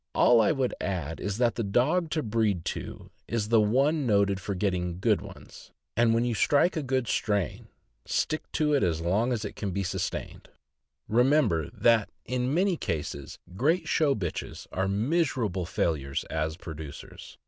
All I would add is that the dog to breed to is the one noted for getting good ones, and when you strike a good strain stick to it as long as it can be sus tained. Remember that, in many cases, great show bitches are miserable failures as producers.